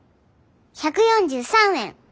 １４３円。